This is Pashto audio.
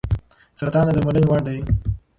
سرطان د درملنې وړ دی.